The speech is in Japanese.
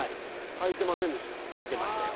履いてましたよ。